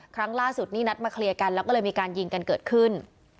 ครั้งล่าสุดนี่นัดมาเคลียร์กันแล้วก็เลยมีการยิงกันเกิดขึ้น